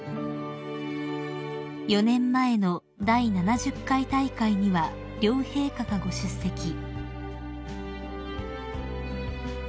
［４年前の第７０回大会には両陛下がご出席］